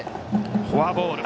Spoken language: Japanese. フォアボール。